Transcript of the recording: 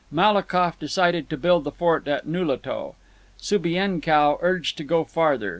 Malakoff decided to build the fort at Nulato. Subienkow urged to go farther.